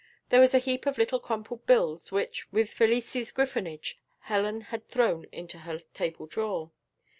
There was a heap of little crumpled bills which, with Felicie's griffonage, Helen had thrown into her table drawer.